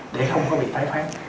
để không có bị tái phán